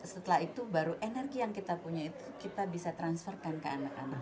setelah itu baru energi yang kita punya itu kita bisa transferkan ke anak anak